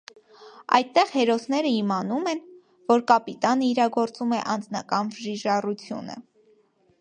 Այդտեղ հերոսները իմանում են, որ կապիտանը իրագործում է անձնական վրիժառությունը։